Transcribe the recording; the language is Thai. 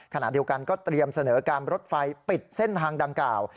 ขณะเดียวกันก็เตรียมเสนอการรถไฟปิดเส้นทางดังกล่าว